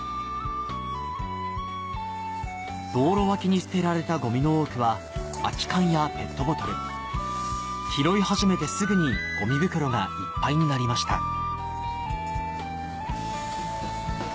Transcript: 道路脇に捨てられたゴミの多くは空き缶やペットボトル拾い始めてすぐにゴミ袋がいっぱいになりました